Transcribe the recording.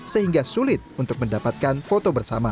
sehingga sulit untuk mendapatkan foto bersama